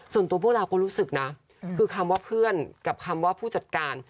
ส่วนตัวพวกเราก็รู้สึกนะคือคำว่าเพื่อนกับคำว่าผู้จัดการ